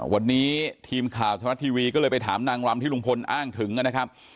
วันนี้ทีมข่าวธรรมรัฐทีวีก็เลยไปถามนางรำที่ลุงพลอ้างถึงนะครับ